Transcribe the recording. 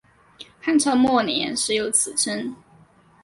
汉朝末年始有此称。